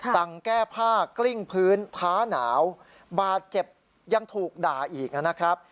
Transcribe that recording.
แก้ผ้ากลิ้งพื้นท้าหนาวบาดเจ็บยังถูกด่าอีกนะครับ